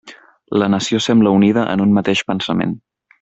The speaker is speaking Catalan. La nació sembla unida en un mateix pensament.